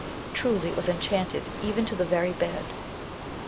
Truly it was enchanted even to the very bed!